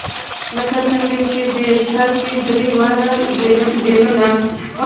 لکه څنګه چې دې ښار کې درې واړه دینونه.